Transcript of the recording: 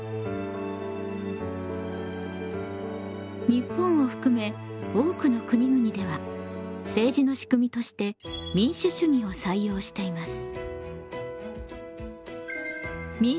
日本を含め多くの国々では政治のしくみとして民主主義を採用しています。